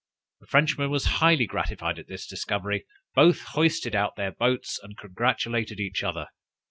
The Frenchman was highly gratified at this discovery; both hoisted out their boats, and congratulated each other.